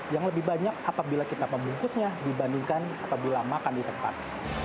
yang lebih banyak apabila kita membungkusnya dibandingkan apabila makan di tempat